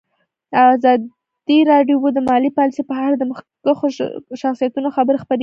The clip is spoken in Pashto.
ازادي راډیو د مالي پالیسي په اړه د مخکښو شخصیتونو خبرې خپرې کړي.